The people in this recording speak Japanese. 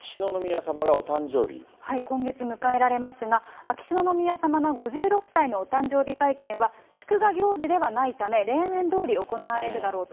今月迎えられますが、秋篠宮さまの５６歳のお誕生日会見は祝賀行事ではないため、例年どおり行われるだろうと。